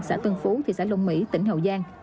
xã tân phú thị xã long mỹ tỉnh hậu giang